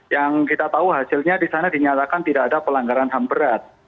yang kita tahu hasilnya di sana dinyatakan tidak ada pelanggaran ham berat